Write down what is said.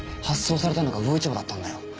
発送されたのが魚市場だったんだよ。